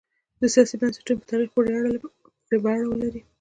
د سیاسي بنسټونو په تاریخ پورې به اړه ولري.